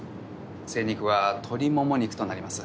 精肉は鶏もも肉となります。